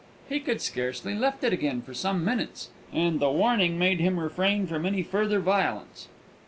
He could scarcely lift it again for some minutes, and the warning made him refrain from any further violence.